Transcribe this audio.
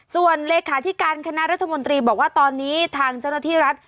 ส่วนเลขาธิการคณะรัฐมนตรีบอกว่าตอนนี้ทางเจ้าหน้าที่รัฐ